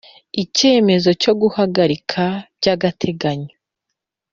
Icyemezo cyo guhagarika by agateganyo